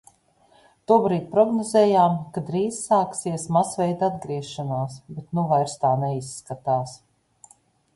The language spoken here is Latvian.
Tobrīd prognozējām, ka drīz sāksies masveida atgriešanās, bet nu vairs tā neizskatās.